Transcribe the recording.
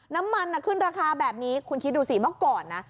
น้ำมันขึ้นราคาแบบนี้คุณคิดดูสิเมื่อก่อนนะ